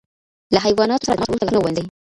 له حیواناتو سره د تماس وروسته لاسونه ووینځئ.